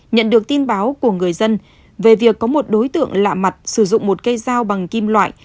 nhận được tin báo của người dân về việc có một đối tượng lạ mặt sử dụng một cây dao bằng kim loại